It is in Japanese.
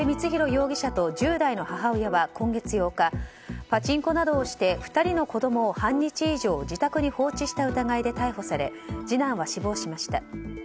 容疑者と１０代の母親は今月８日パチンコなどをして２人の子供を半日以上自宅に放置した疑いで逮捕され次男は死亡しました。